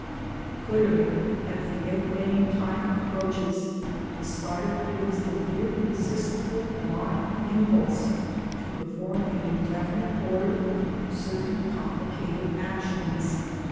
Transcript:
Clearly as the egg laying time approaches the spider feels an irresistible blind impulse to perform in a definite order certain complicated actions.